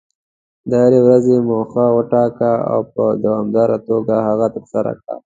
د هرې ورځې موخه وټاکه، او په دوامداره توګه هغه ترسره کړه.